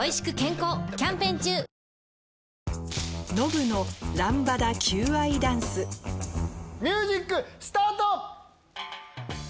ミュージックスタート！